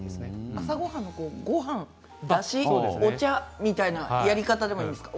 朝ごはんの、だしお茶みたいなやり方でもいいですか？